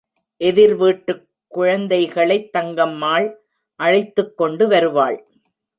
எதிர்வீட்டுக் குழந்தைகளைத் தங்கம்மாள் அழைத்துக் கொண்டு வருவாள்.